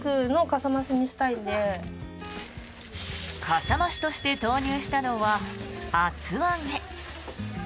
かさ増しとして投入したのは厚揚げ。